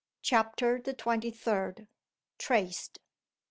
CHAPTER THE TWENTY THIRD. TRACED.